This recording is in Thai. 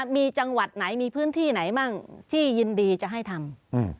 มีจังหวัดไหนมีพื้นที่ไหนบ้างที่ยินดีจะให้ทำ